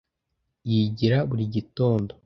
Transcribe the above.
Yigira buri gitondo.